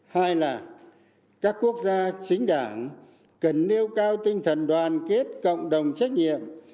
hai là các quốc gia chính đảng cần nêu cao tinh thần đoàn kết cộng đồng trách nhiệm